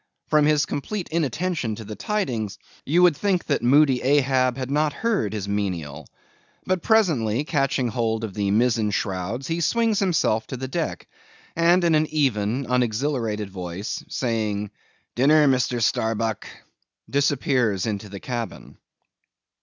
From his complete inattention to the tidings, you would think that moody Ahab had not heard his menial. But presently, catching hold of the mizen shrouds, he swings himself to the deck, and in an even, unexhilarated voice, saying, "Dinner, Mr. Starbuck," disappears into the cabin.